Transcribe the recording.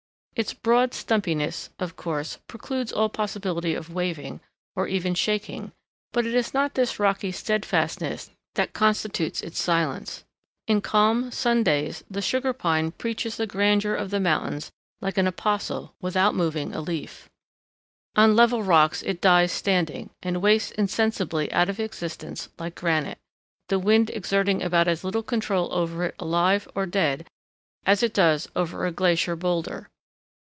Its broad stumpiness, of course, precludes all possibility of waving, or even shaking; but it is not this rocky steadfastness that constitutes its silence. In calm, sun days the Sugar Pine preaches the grandeur of the mountains like an apostle without moving a leaf. [Illustration: STORM BEATEN JUNIPERS.] On level rocks it dies standing, and wastes insensibly out of existence like granite, the wind exerting about as little control over it alive or dead as it does over a glacier boulder.